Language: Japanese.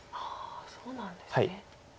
そうなんですね。